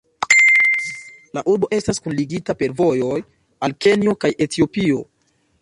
La urbo estas kunligita per vojoj al Kenjo kaj Etiopio.